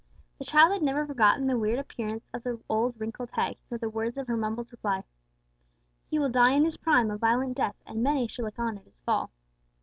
The child had never forgotten the weird appearance of the old wrinkled hag, nor the words of her mumbled reply: "He will die in his prime a violent death, and many shall look on at his fall."